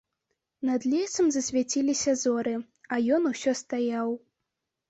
Над лесам засвяціліся зоры, а ён усё стаяў.